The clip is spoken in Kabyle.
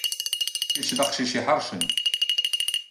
Kecc d aqcic iḥeṛcen.